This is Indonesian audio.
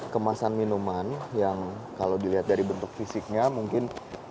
kemasan minuman yang kalau dilihat dari bentuk fisiknya mungkin